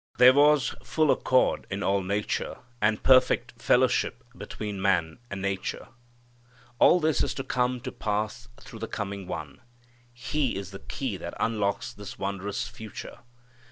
There was full accord in all nature, and perfect fellowship between man and nature. All this is to come to pass through the coming One. He is the key that unlocks this wondrous future.